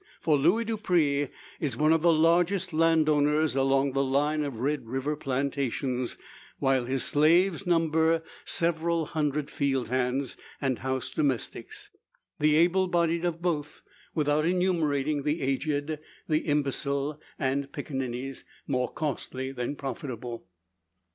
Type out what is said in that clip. For Luis Dupre is one of the largest landowners along the line of Red River plantations, while his slaves number several hundred field hands, and house domestics: the able bodied of both, without enumerating the aged, the imbecile, and piccaninnies, more costly than profitable.